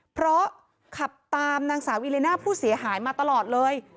เพราะขับตามนางสาวิเลน่าผู้เสียหายมาตลอดเลย